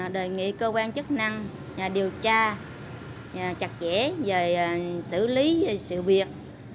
đề nghị cơ quan chức năng điều tra chặt chẽ về xử lý sự việc